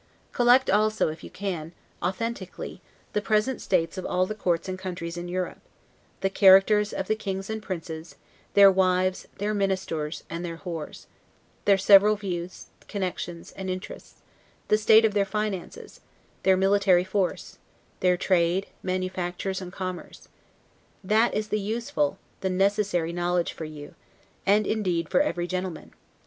Collect also, if you can, authentically, the present state of all the courts and countries in Europe, the characters of the kings and princes, their wives, their ministers, and their w s; their several views, connections, and interests; the state of their FINANCES, their military force, their trade, manufactures, and commerce. That is the useful, the necessary knowledge for you, and indeed for every gentleman.